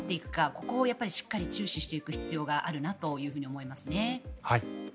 ここをしっかり注視していく必要があるなと思います。